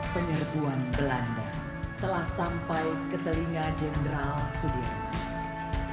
penyerbuan belanda telah sampai ke telinga jenderal sudirman